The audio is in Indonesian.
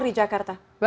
pemirsa krim polri